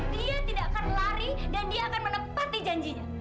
dia tidak akan lari dan dia akan menepati janjinya